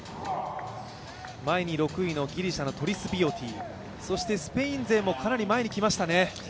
前に６位のギリシャのトリスビオティ、スペイン勢もかなり前に来ましたね。